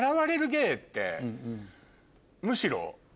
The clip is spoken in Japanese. むしろ。